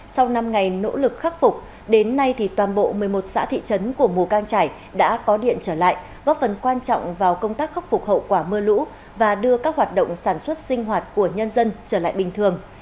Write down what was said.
sau năm ngày nỗ lực khắc phục đến nay toàn bộ một mươi một xã thị trấn của mù cang trải đã có điện trở lại góp phần quan trọng vào công tác khắc phục hậu quả mưa lũ và đưa các hoạt động sản xuất sinh hoạt của nhân dân trở lại bình thường